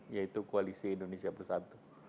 yaitu koalisi indonesia bersatu